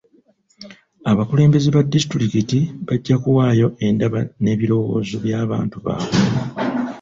Abakulembeze ba disitulikiti bajja kuwaayo endaba n'ebirowoozo by'abantu baabwe.